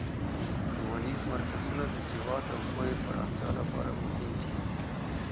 ښوونیز مرکزونه د سواد او پوهې پراختیا لپاره مهم دي.